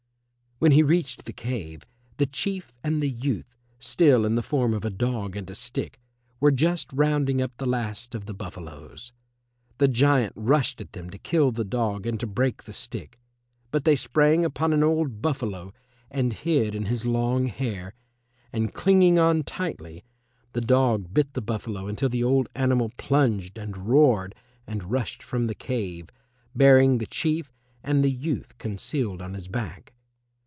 When he reached the cave the Chief and the youth, still in the form of a dog and a stick, were just rounding up the last of the buffaloes. The giant rushed at them to kill the dog and to break the stick, but they sprang upon an old buffalo and hid in his long hair and, clinging on tightly, the dog bit the buffalo until the old animal plunged and roared and rushed from the cave, bearing the Chief and the youth concealed on his back.